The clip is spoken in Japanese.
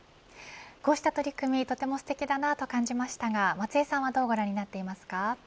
こうした取り組みとてもすてきだと思いましたが松江さんはどうご覧になりますか。